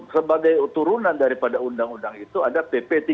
sebagai turunan daripada undang undang itu ada pp tiga puluh